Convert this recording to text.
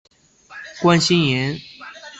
关心妍